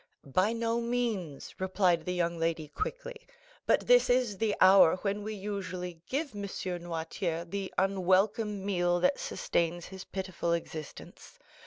"By no means," replied the young lady quickly; "but this is the hour when we usually give M. Noirtier the unwelcome meal that sustains his pitiful existence.